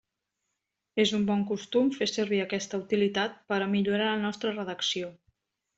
És un bon costum fer servir aquesta utilitat per a millorar la nostra redacció.